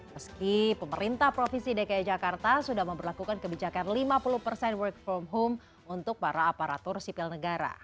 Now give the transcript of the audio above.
meski pemerintah provinsi dki jakarta sudah memperlakukan kebijakan lima puluh persen work from home untuk para aparatur sipil negara